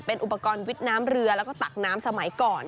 เป็นอุปกรณ์วิทย์น้ำเรือแล้วก็ตักน้ำสมัยก่อน